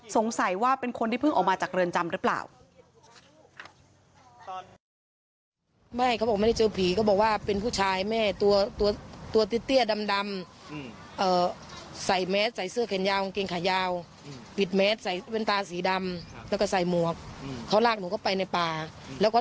สงสัยว่าเป็นคนที่เพิ่งออกมาจากเรือนจำหรือเปล่า